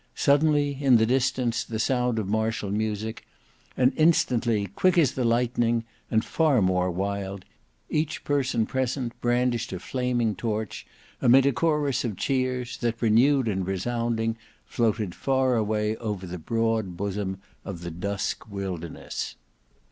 Suddenly in the distance the sound of martial music: and instantly, quick as the lightning and far more wild, each person present brandished a flaming torch, amid a chorus of cheers, that, renewed and resounding, floated far away over the broad bosom of the dusk wilderness.